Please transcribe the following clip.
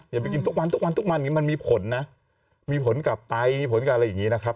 อย่าไปกินทุกวันทุกวันทุกวันนี้มันมีผลนะมีผลกับไตมีผลกับอะไรอย่างนี้นะครับ